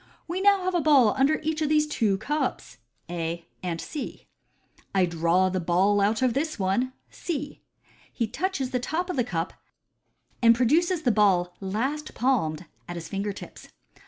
" We now have a ball under each of these two cups" (A and C) "I draw the ball out of this one" (C). He touches the top of the cup, and produces thx* ball last palmed at his finger tips.